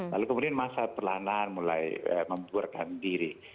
lalu kemudian masa perlahan lahan mulai membuarkan diri